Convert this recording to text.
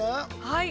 はい